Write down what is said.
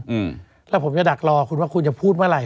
อืมแล้วผมจะดักรอคุณว่าคุณจะพูดเมื่อไห